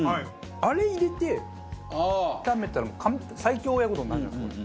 あれ入れて炒めたら最強親子丼になるんじゃないですか？